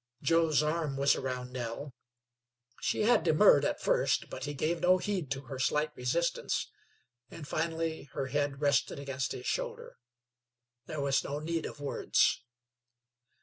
Joe's arm was around Nell. She had demurred at first, but he gave no heed to her slight resistance, and finally her head rested against his shoulder. There was no need of words.